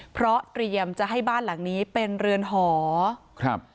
เพราะเตรียมจะให้บ้านหลังนี้เป็นเรือนหอครับ